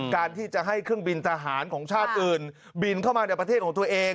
การที่จะให้เครื่องบินทหารของชาติอื่นบินเข้ามาในประเทศของตัวเอง